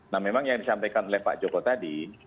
nah memang yang disampaikan oleh pak joko tadi